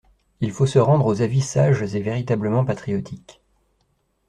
Il faut se rendre aux avis sages et véritablement patriotiques.